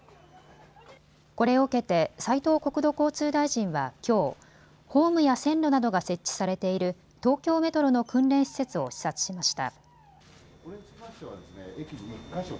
これを受けて斉藤国土交通大臣はきょうホームや線路などが設置されている東京メトロの訓練施設を視察しました。